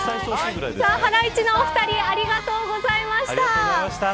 ハライチのお二人ありがとうございました。